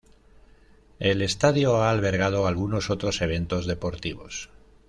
El estadio ha albergado algunos otros eventos deportivos.